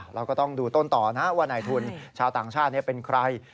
เราก็ต้องดูต้นต่อนะว่านายทุนชาวต่างชาติเป็นใคร